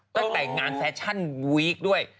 ตั้งแต่งานแฟชั่นวีคด้วย